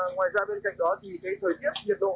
ngoài ra bên cạnh đó thì thấy thời tiết nhiệt độ